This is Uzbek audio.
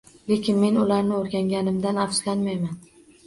Lekin men ularni o`rganganimdan afsuslanmayman